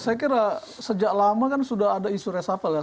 saya kira sejak lama kan sudah ada isu resapel ya